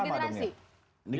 apa sudah generasi